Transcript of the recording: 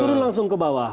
turun langsung ke bawah